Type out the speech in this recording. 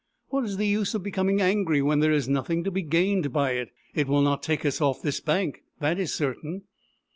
" What is the use of becoming angry when there is nothing to be gained by it ? It will not take us off this bank, that is certain."